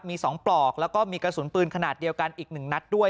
มี๒ปลอกแล้วก็มีกระสุนปืนขนาดเดียวกันอีก๑นัดด้วย